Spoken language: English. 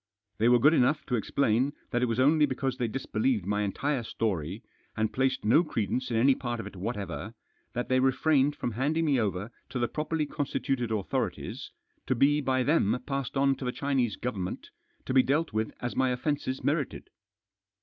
They were good enough to ex* plain that It was only because they disbelieved my entire story, and placed no credence in any part of it whatever, that they refrained from handing me over to the properly constituted authorities, to be by them passed on to the Chinese Government, to be dealt with as my offences merited.